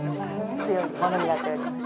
強いものになっております。